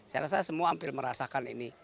saya rasa semua hampir merasakan ini